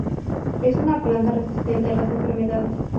Es una planta resistente a las enfermedades.